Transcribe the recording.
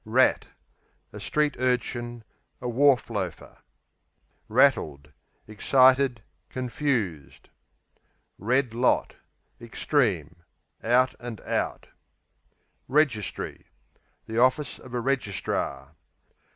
Rat A street urchin; a wharf loafer. Rattled Excited; confused. Red lot Extreme; out and out. Registry The office of a Registrar.